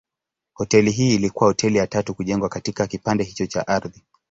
Hoteli hii ilikuwa hoteli ya tatu kujengwa katika kipande hicho cha ardhi.